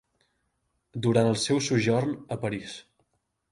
Durant el seu sojorn a París.